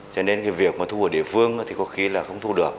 cho nên cái việc mà thu ở địa phương thì có khi là không thu được